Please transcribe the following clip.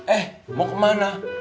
eh mau kemana